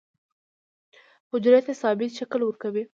حجرې ته ثابت شکل ورکوي.